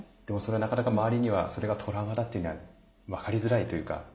でもそれはなかなか周りにはそれがトラウマだっていうのは分かりづらいというか。